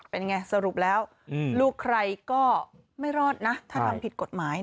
เป็นไงสรุปแล้วลูกใครก็ไม่รอดนะถ้าทำผิดกฎหมาย